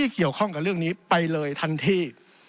เกี่ยวข้องกับเรื่องนี้ไปเลยทันที